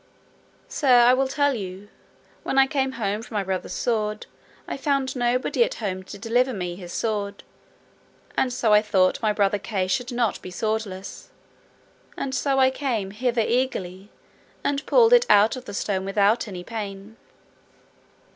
Sir, I will tell you. When I came home for my brother's sword, I found nobody at home to deliver me his sword; and so I thought my brother Sir Kay should not be swordless, and so I came hither eagerly and pulled it out of the stone without any pain.